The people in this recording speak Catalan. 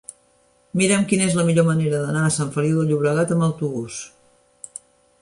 Mira'm quina és la millor manera d'anar a Sant Feliu de Llobregat amb autobús.